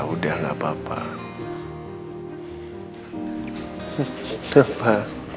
udah gak apa apa